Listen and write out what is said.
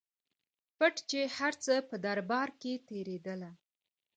پټ چي هر څه په دربار کي تېرېدله